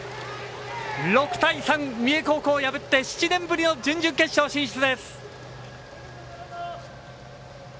６対３、三重高校を破って７年ぶりの準々決勝進出です。